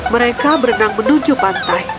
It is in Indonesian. mereka berenang menuju pantai